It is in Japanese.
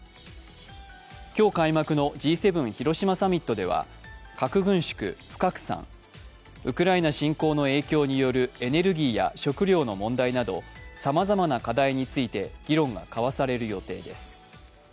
今日開幕のＧ７広島サミットでは核軍縮・不拡散、ウクライナ侵攻の影響によるエネルギーや食料の問題などさまざまな課題について議論が交わされる予定です。